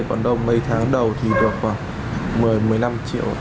còn đầu mấy tháng đầu thì được khoảng một mươi một mươi năm triệu